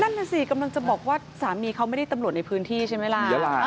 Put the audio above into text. นั่นน่ะสิกำลังจะบอกว่าสามีเขาไม่ได้ตำรวจในพื้นที่ใช่ไหมล่ะ